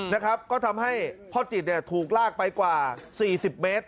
นะครับก็ทำให้พ่อจิตเนี่ยถูกลากไปกว่า๔๐เมตร